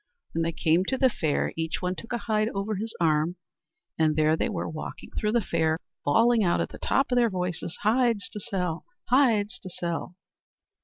When they came to the fair, each one took a hide over his arm, and there they were walking through the fair, bawling out at the top of their voices: "Hides to sell! hides to sell!"